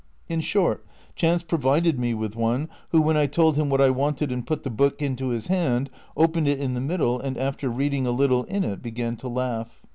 In short, chance provided me with one, Avho when I told him what I wanted and put the book into his hands, opened it in the middle, and after reading a little in it began to laugh.